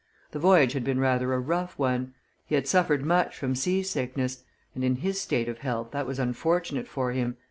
The voyage had been rather a rough one; he had suffered much from sea sickness, and, in his state of health, that was unfortunate for him.